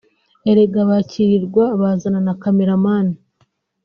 erega bakirirwa bazana na camera man